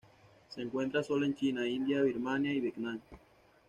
Se encuentra sólo en China, India, Birmania, y Vietnam.